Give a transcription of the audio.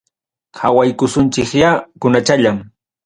Qawaykusunchikyá kunachallan.